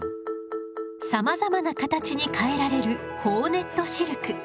さまざまな形に変えられるホーネットシルク。